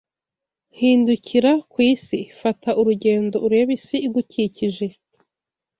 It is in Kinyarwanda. Hindukira ku isi. Fata urugendo urebe isi igukikije